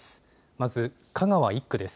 まず、香川１区です。